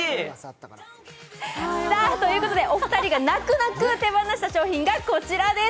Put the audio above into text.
お二人が泣く泣く手放した商品がこちらです。